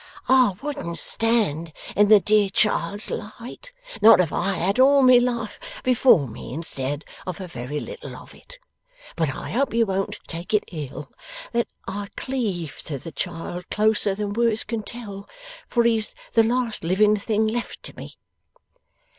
'I wouldn't stand in the dear child's light, not if I had all my life before me instead of a very little of it. But I hope you won't take it ill that I cleave to the child closer than words can tell, for he's the last living thing left me.